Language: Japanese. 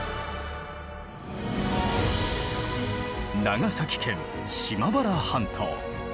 長崎県島原半島。